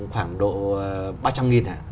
khoảng độ ba trăm linh nghìn